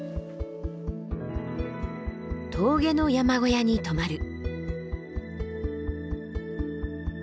峠の山小屋に泊まる。